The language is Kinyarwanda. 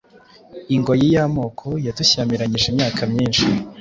ingoyi y amoko yadushyamiranyije imyaka myinshi